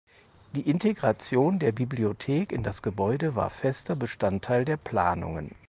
Die Integration der Bibliothek in das Gebäude war fester Bestandteil der Planungen.